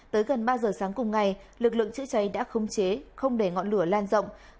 tới gần ba giờ sáng cùng ngày lực lượng chữa cháy đã khống chế không để ngọn lửa lan rộng